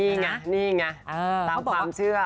นี่ไงนี่ไงตามความเชื่อ